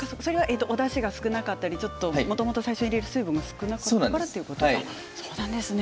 おだしが少なかったり最初に出る水分が少ないからということですか。